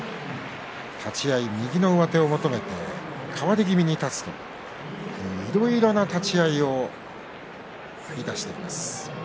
立ち合い右の上手を求めて変わり気味に立つといういろいろな立ち合いを繰り出しています。